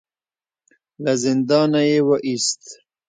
له زندانه يې وايست.